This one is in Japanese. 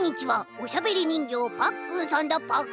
おしゃべりにんぎょうパックンさんだパク」。